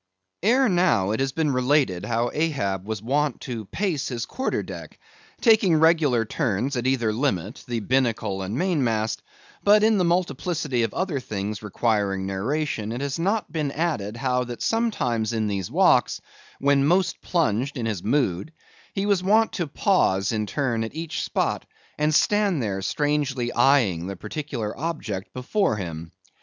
Ere now it has been related how Ahab was wont to pace his quarter deck, taking regular turns at either limit, the binnacle and mainmast; but in the multiplicity of other things requiring narration it has not been added how that sometimes in these walks, when most plunged in his mood, he was wont to pause in turn at each spot, and stand there strangely eyeing the particular object before him.